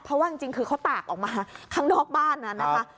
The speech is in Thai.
เพราะว่าจริงคือเขาตากออกมาข้างนอกบ้านนั้นนะคะ